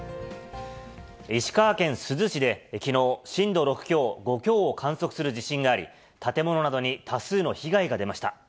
石川県珠洲市で、きのう、震度６強、５強を観測する地震があり、建物などに多数の被害が出ました。